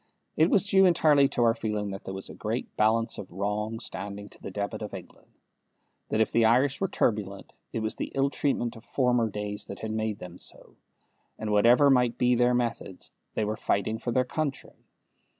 It was due entirely to our feeling that there was a great balance of wrong standing to the debit of England; that if the Irish were turbulent, it was the ill treatment of former days that had made them so; and that, whatever might be their methods, they were fighting for their country.